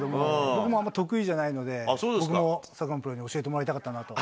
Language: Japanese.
僕もあんまり得意じゃないので、僕も、佐久間プロに教えてもらいたかったなと。